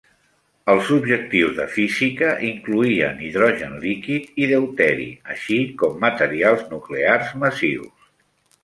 Els objectius de física incloïen hidrogen líquid i deuteri, així com materials nuclears massius.